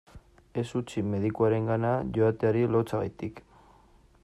Ez utzi medikuarengana joateari lotsagatik.